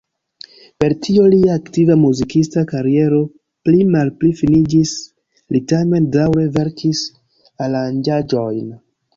Per tio lia aktiva muzikista kariero pli malpli finiĝis; li tamen daŭre verkis aranĝaĵojn.